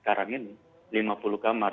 sekarang ini lima puluh kamar